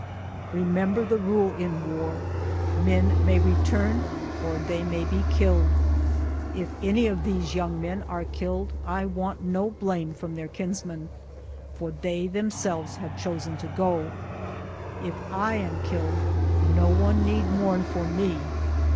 " Remember the rule in war — men may return or they may be killed. If any of these young men are killed I want no blame from their kinsmen, for they themselves have chosen to go. If I am killed no one need mourn for me.